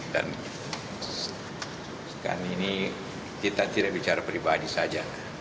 dan sekarang ini kita tidak bicara pribadi saja